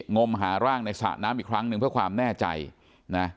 งมหาร่างในสระน้ำอีกครั้งหนึ่งเพื่อความแน่ใจนะ